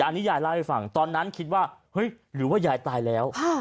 อันนี้ยายเล่าให้ฟังตอนนั้นคิดว่าเฮ้ยหรือว่ายายตายแล้ว